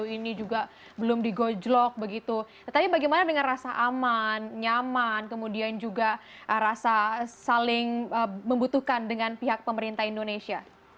ini masih dalam tahap revisi